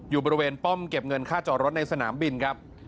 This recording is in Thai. อยู่บริเวณป้อมเก็บเงินค่าจอรถในสนามบินครับ